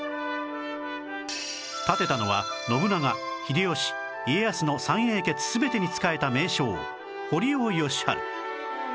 建てたのは信長秀吉家康の三英傑全てに仕えた名将堀尾吉晴